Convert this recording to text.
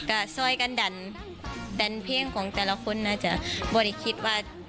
ก็ซ่อยกันดันเพลงของแต่ละคนน่าจะบ่อมี่คิดว่า